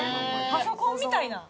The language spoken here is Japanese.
パソコンみたいな感じ。